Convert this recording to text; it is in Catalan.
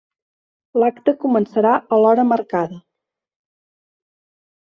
L'acte començarà a l'hora marcada.